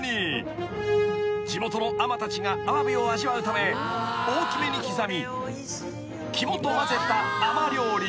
［地元海女たちがアワビを味わうため大きめに刻み肝とまぜた海女料理］